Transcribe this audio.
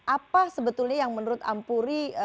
apa sebetulnya yang menurut ampuri